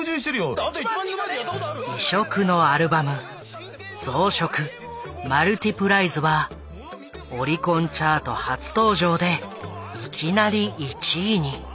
異色のアルバム「増殖ＭＵＬＴＩＰＬＩＥＳ」はオリコンチャート初登場でいきなり１位に。